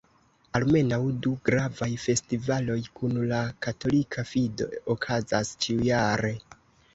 Almenaŭ du gravaj festivaloj kun la katolika fido okazas ĉiujare.